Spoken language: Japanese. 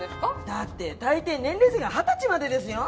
だって大抵年齢制限が二十歳までですよ？